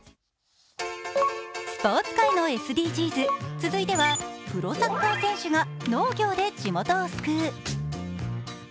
スポーツ界のＳＤＧｓ、続いてはプロサッカー選手が農業で地元を救う。